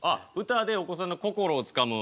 歌でお子さんの心をつかむ。